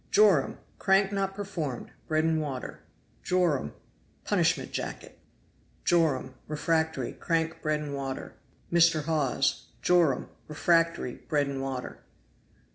Joram.Crank not performed bread and water. Joram.Punishment jacket. Joram.Refractory crank bread and Joram. Refractory bread and water.